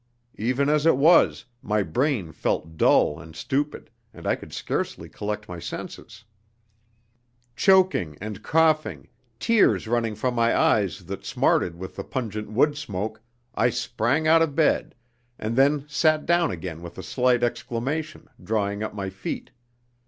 Even as it was, my brain felt dull and stupid, and I could scarcely collect my senses. Choking and coughing, tears running from my eyes that smarted with the pungent wood smoke, I sprang out of bed, and then sat down again with a slight exclamation, drawing up my feet.